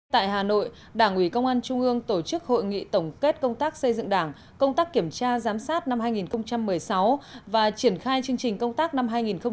tại hà nội đảng ủy công an trung ương tổ chức hội nghị tổng kết công tác xây dựng đảng công tác kiểm tra giám sát năm hai nghìn một mươi sáu và triển khai chương trình công tác năm hai nghìn một mươi chín